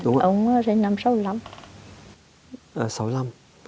ông sinh năm sáu mươi năm